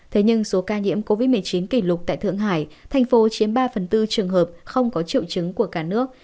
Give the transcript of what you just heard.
thế nhưng số ca nhiễm covid một mươi chín kỷ lục tại thượng hải thành phố chiếm ba phần tư trường hợp không có triệu chứng của cả nước